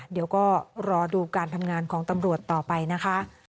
เดี๋ยวก็รอดูการทำงานของตำรวจต่อไปนะคะ